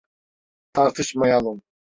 Tartışmayalım.